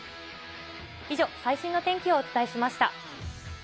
以上、最新の天気をお伝えしました。